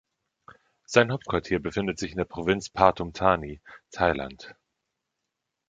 Sein Hauptquartier befindet sich in der Provinz Pathum Thani, Thailand.